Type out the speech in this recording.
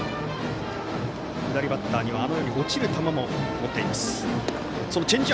左バッターには落ちる球も持っています。